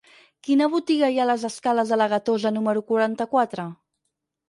Quina botiga hi ha a les escales de la Gatosa número quaranta-quatre?